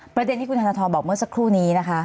ประเด็นที่ทานายธรรมบอกเมื่อสักครู่นี้